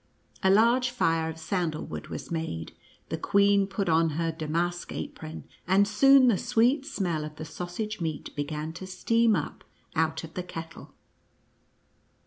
A large fire of sandal wood was made, the queen put on her damask apron, and soon the sweet smell of the sausage meat began to steam up out of the kettle.